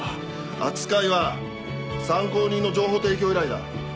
扱いは参考人の情報提供依頼だ。